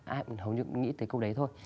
hầu như nghĩ tới câu đấy thôi